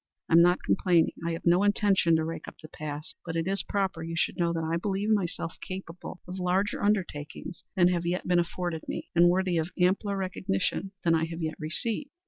I am not complaining; I have no intention to rake up the past; but it is proper you should know that I believe myself capable of larger undertakings than have yet been afforded me, and worthy of ampler recognition than I have yet received.